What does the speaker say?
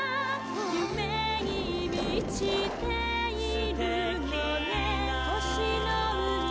「夢に満ちているのねすてきな」「星の海を」